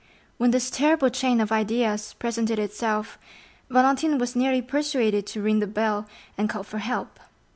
When this terrible chain of ideas presented itself, Valentine was nearly persuaded to ring the bell, and call for help.